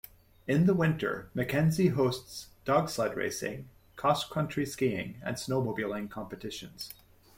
In the winter, Mackenzie hosts dog sled racing, cross-country skiing, and snowmobiling competitions.